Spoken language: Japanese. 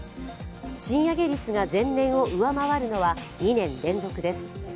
賃上げ率が前年を上回るのは２年連続です。